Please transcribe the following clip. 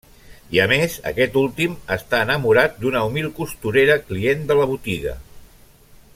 I a més, aquest últim, està enamorat d'una humil costurera, client de la botiga.